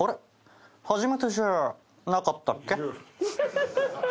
初めてじゃなかったっけ？